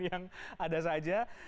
yang ada saja